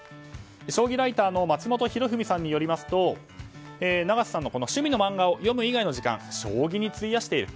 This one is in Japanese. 将棋ライターの松本博文さんによりますと永瀬さんは趣味の漫画を読む以外の時間を将棋に費やしている。